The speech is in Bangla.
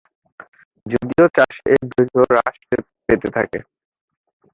যদিও চাষে এর দৈর্ঘ্য হ্রাস পেতে থাকে।